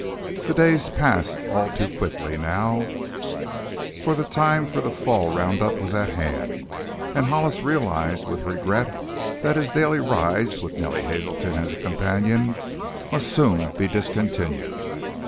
The days passed all too quickly now, for the time for the fall round up was at hand and Hollis realized with regret that his daily rides with Nellie Hazelton as a companion must soon be discontinued.